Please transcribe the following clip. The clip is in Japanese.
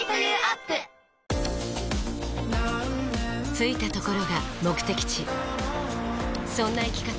着いたところが目的地そんな生き方